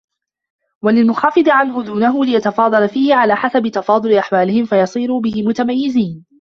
وَلِلْمُنْخَفِضِ عَنْهُ دُونَهُ لِيَتَفَاضَلَ فِيهِ عَلَى حَسَبِ تَفَاضُلِ أَحْوَالِهِمْ فَيَصِيرُوا بِهِ مُتَمَيِّزِينَ